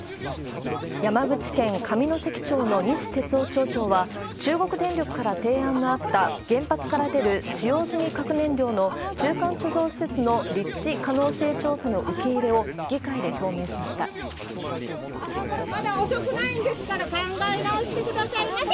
山口県上関町の西哲夫町長は、中国電力から提案のあった、原発から出る使用済み核燃料の中間貯蔵施設の立地可能性調査の受まだ遅くないんですから、考え直してくださいませ。